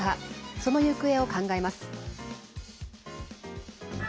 その行方を考えます。